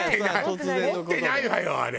持ってないわよあれ。